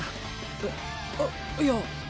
えあっいや。